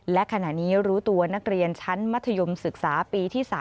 และขณะนี้รู้ตัวนักเรียนชั้นมัธยมศึกษาปีที่๓